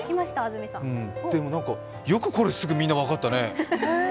でもよくこれみんなすぐ分かったね。